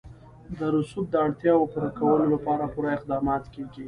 د رسوب د اړتیاوو پوره کولو لپاره پوره اقدامات کېږي.